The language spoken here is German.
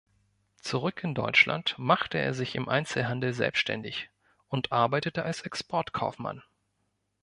Zurück in Deutschland machte er sich im Einzelhandel selbstständig und arbeitete als Exportkaufmann.